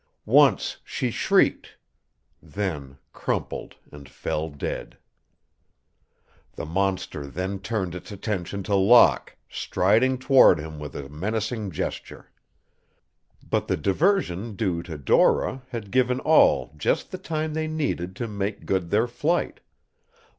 Once she shrieked, then crumpled and fell dead. The monster then turned its attention to Locke, striding toward him with a menacing gesture. But the diversion due to Dora had given all just the time they needed to make good their flight.